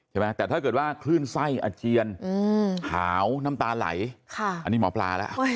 ใช่ไหมแต่ถ้าเกิดว่าคลื่นไส้อาเจียนหาวน้ำตาไหลอันนี้หมอปลาแล้ว